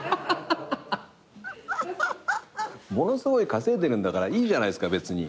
ものすごい稼いでるんだからいいじゃないですか別に。